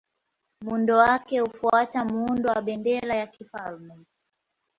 Muundo wake hufuata muundo wa bendera ya kifalme.